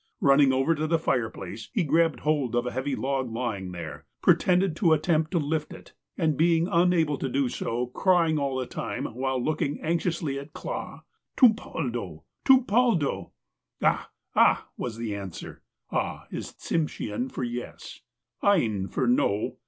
Running over to the fireplace, he grabbed hold of a heavy log lying there, pretended to at tempt to lift it, and, being unable to do so, crying all the time, while looking anxiously at Clah :" Tumpaldo ! Tumpaldo !"'' Ah ! Ah !" was the answer. ''Ah" is Tsimshean for "yes." "Ein," for "no."